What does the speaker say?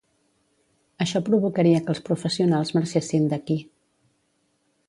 Això provocaria que els professionals marxessin d'aquí.